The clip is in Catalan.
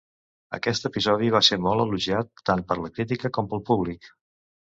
Aquest episodi va ser molt elogiat tant per la crítica com pel públic.